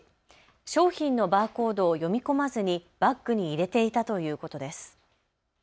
商品のバーコードを読み込まずにバッグに入れていたということです。